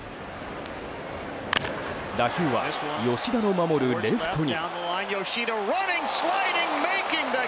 打球は吉田の守るレフトに。